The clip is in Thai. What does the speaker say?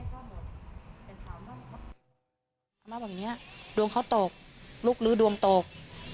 เขามาบอกอย่างนี้ดวงเขาตกลุกลื้อดวงตก